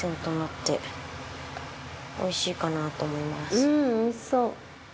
藤本：おいしそう！